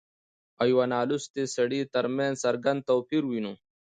او يوه نالوستي سړي ترمنځ څرګند توپير وينو